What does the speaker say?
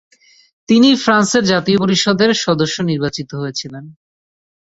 তিনি ফ্রান্সের জাতীয় পরিষদের সদস্য নির্বাচিত হয়েছিলেন।